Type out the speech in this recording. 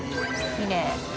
きれい。